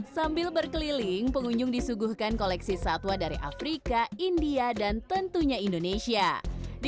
sambil berkeliling pengunjung disuguhkan koleksi satwa dari afrika india dan tentunya indonesia di